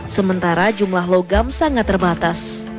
sementara jumlah logam sangat terbatas